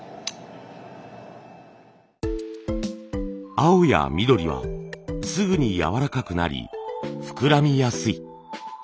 青や緑はすぐにやわらかくなり膨らみやすい。